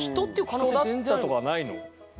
人だったとかはないの？